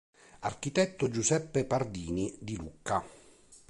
Architetto Giuseppe Pardini" di Lucca".